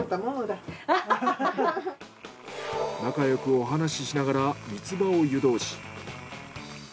仲よくお話しながらミツバを湯通し。